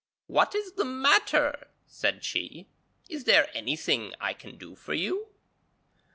'What is the matter?' said she. 'Is there anything I can do for you?'